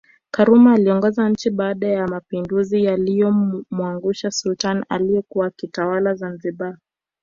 Karume aliongoza nchi baada ya mapinduzi yaliyomwangusha Sultani aliyekuwa akitawala Zanzibar